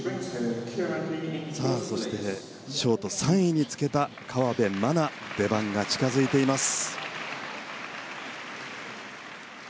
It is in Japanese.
そしてショート３位につけた河辺愛菜、出番が近づきます。